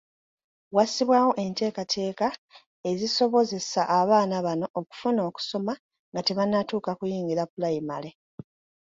Wassibwawo enteekateeka ezisobozesa abaana bano okufuna okusoma nga tebannatuuka kuyingira pulayimale.